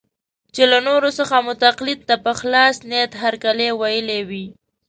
چې له نورو څخه مو تقلید ته په خلاص نیت هرکلی ویلی وي.